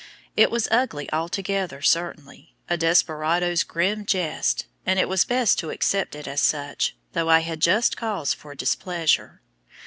It was "ugly" altogether certainly, a "desperado's" grim jest, and it was best to accept it as such, though I had just cause for displeasure.